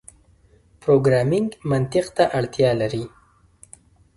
پروګرامنګ منطق ته اړتیا لري.